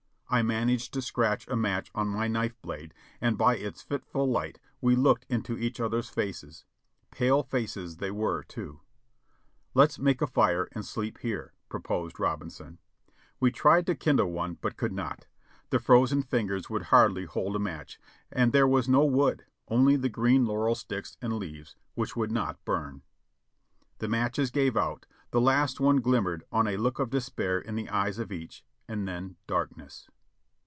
I managed to scratch a match on my knife blade and by its fitful light we looked into each other's faces ; pale faces they were too. "Let's make a fire and sleep here," proposed Robinson. We tried to kindle one but could not. The frozen fingers would hardly hold a match, and there was no wood, only the green laurel sticks and leaves, which would not burn. The matches gave out, the last one glimmered on a look of despair in the eyes of each, and then darkness